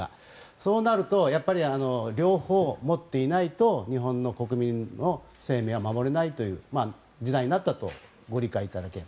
そうなると両方持っていないと日本の国民の生命は守れないという時代になったとご理解いただければ。